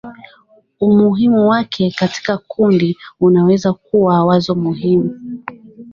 umuhimu wake katika kundi unaweza kuwa wazo muhimu